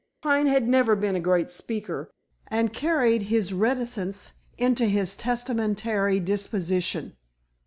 Pine had never been a great speaker, and carried his reticence into his testamentary disposition.